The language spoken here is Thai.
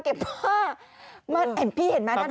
เก็บผ้าเห็นมั้ย